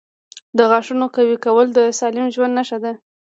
• د غاښونو قوي کول د سالم ژوند نښه ده.